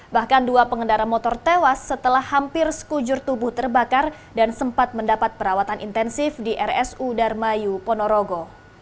bahkan dua pengendara motor tewas setelah hampir sekujur tubuh terbakar dan sempat mendapat perawatan intensif di rsu darmayu ponorogo